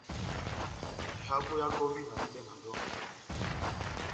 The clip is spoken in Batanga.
Ehavo ya gɔvina ehibɛwɛ na dɔlɛ.